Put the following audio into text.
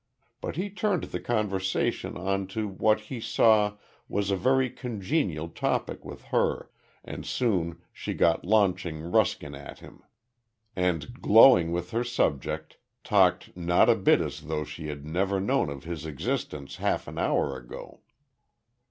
But he turned the conversation on to what he saw was a very congenial topic with her, and soon she got launching Ruskin at him; and, glowing with her subject, talked not a bit as though she had never known of his existence half an hour ago.